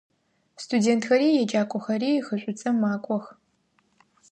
Студентхэри еджакӏохэри хы Шӏуцӏэм макӏох.